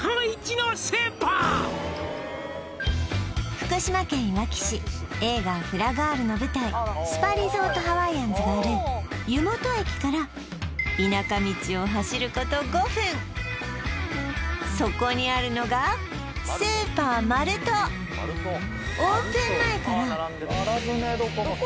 福島県いわき市映画「フラガール」の舞台スパリゾートハワイアンズがある湯本駅からそこにあるのがスーパーマルトうわっ・何だ